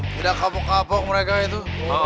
tidak kapok kapok mereka itu